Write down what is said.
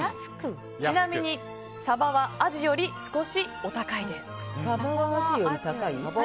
ちなみにサバはアジより少しお高いです。